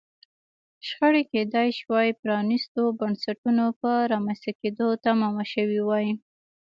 شخړې کېدای شوای پرانیستو بنسټونو په رامنځته کېدو تمامه شوې وای.